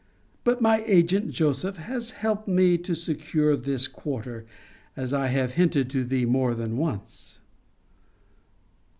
But my agent Joseph has helped me to secure this quarter, as I have hinted to thee more than once.